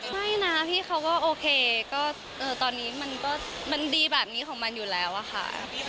ไม่นะพี่เขาก็โอเคก็ตอนนี้มันก็มันดีแบบนี้ของมันอยู่แล้วอะค่ะ